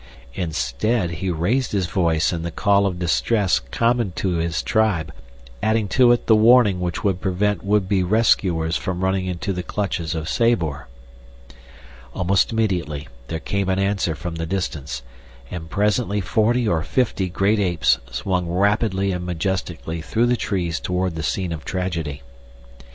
Instead he raised his voice in the call of distress common to his tribe, adding to it the warning which would prevent would be rescuers from running into the clutches of Sabor. Almost immediately there came an answer from the distance, and presently forty or fifty great apes swung rapidly and majestically through the trees toward the scene of tragedy.